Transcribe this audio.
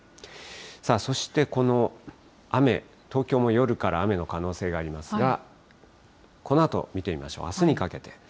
さあそしてこの雨、東京も夜から雨の可能性がありますが、このあと見てみましょう。